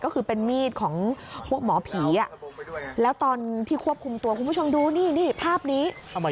ก็คือเป็นมีดของพวกหมอผีแล้วตอนที่ควบคุมตัวคุณผู้ชมดูนี่ภาพนี้